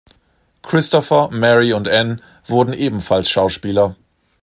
Christopher, Mary und Ann wurden ebenfalls Schauspieler.